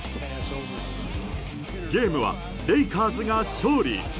ゲームはレイカーズが勝利。